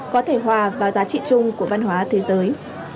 có thể hòa vào giá trị chung của văn hóa thế giới